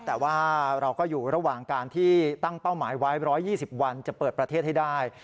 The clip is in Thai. แต่ว่าเราก็อยู่ระหว่างการที่ตั้งเป้าหมายไว้๑๒๐วันจะเปิดประเทศให้ได้